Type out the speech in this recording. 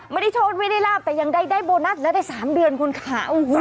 ไม่ได้โชคไม่ได้ลาบแต่ยังได้โบนัสแล้วได้๓เดือนคุณค่ะ